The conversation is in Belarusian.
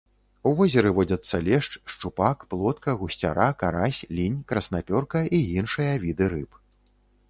У возеры водзяцца лешч, шчупак, плотка, гусцяра, карась, лінь, краснапёрка і іншыя віды рыб.